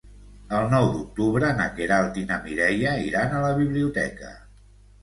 El nou d'octubre na Queralt i na Mireia iran a la biblioteca.